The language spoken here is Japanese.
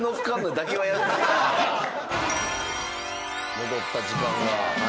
戻った時間が。